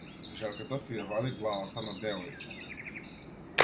Желката си ја вади главата на девојче.